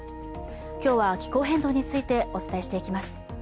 今日は気候変動についてお伝えしていきます。